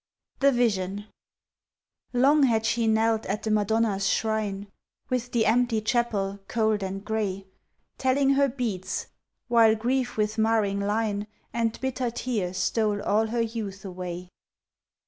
THE VISION Long had she knelt at the Madonna's shrine, With the empty chapel, cold and grey, Telling her beads, while grief with marring line And bitter tear stole all her youth away.